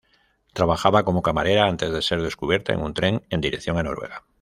Trabajaba como camarera antes de ser descubierta en un tren en dirección a Noruega.